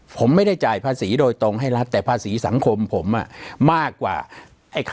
ผมไม่ได้จ่ายภาษีโดยตรงให้รัฐแต่ภาษีสังคมผมมากกว่า